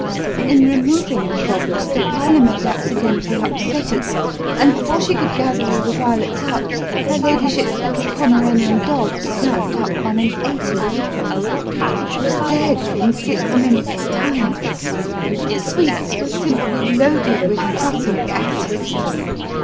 In removing the box the parlour maid accidentally upset it, and before she could gather all the violets up her ladyship's little Pomeranian dog snapped up one and ate it. It was dead in six minutes' time! The sweets were simply loaded with prussic acid.